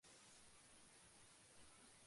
শুধু হাত নাড়িয়ে হাসবে।